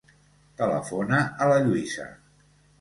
Telefona a la Lluïsa.